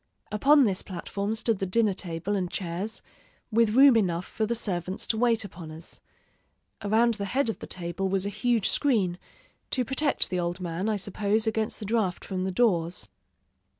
Upon this platform stood the dinner table and chairs, with room enough for the servants to wait upon us. Around the head of the table was a huge screen, to protect the old man, I suppose, against the draught from the doors....